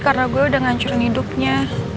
karena gue udah ngancurin hidupnya